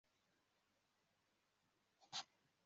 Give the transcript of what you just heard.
Dore mbonye igicu gito kingana nikiganza cyumuntu kiva mu nyanja